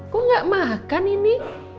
kok gak makan ini